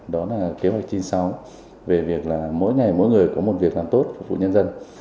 đó là kế hoạch chín mươi sáu về việc là mỗi ngày mỗi người có một việc làm tốt phục vụ nhân dân